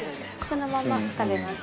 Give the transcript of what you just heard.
そのまま食べます